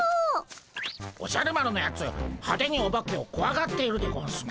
おじゃる丸のやつ派手にオバケをこわがっているでゴンスな。